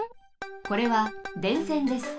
これは電線です。